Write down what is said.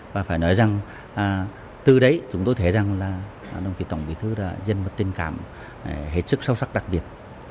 và phải nói rằng từ đấy chúng tôi thấy rằng là đồng chí tổng bí thư là dân mật tên cảm hết sức sâu sắc đặc biệt